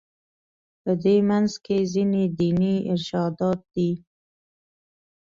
په دې منځ کې ځینې دیني ارشادات دي.